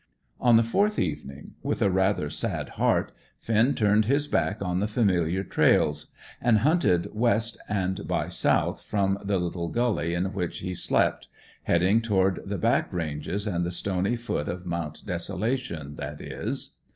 On the fourth evening, with a rather sad heart, Finn turned his back on the familiar trails, and hunted west and by south from the little gully in which he slept, heading toward the back ranges and the stony foot of Mount Desolation, that is.